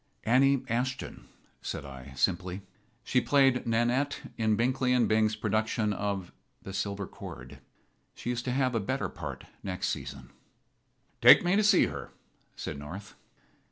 "Annie Ashton," said I, simply. "She played Nannette in Binkley & Bing's production of 'The Silver Cord.' She is to have a better part next season." "Take me to see her," said North.